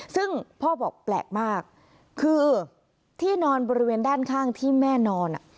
ซึ่งพ่อบอกแปลกมากคือที่นอนบริเวณด้านข้างที่แม่นอน